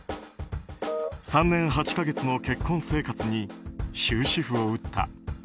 ３年８か月の結婚生活に終止符を打った。